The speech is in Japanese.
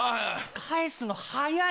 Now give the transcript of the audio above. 帰すの早い。